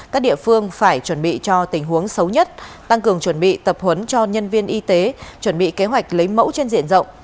các địa phương phải chuẩn bị cho tình huống xấu nhất tăng cường chuẩn bị tập huấn cho nhân viên y tế chuẩn bị kế hoạch lấy mẫu trên diện rộng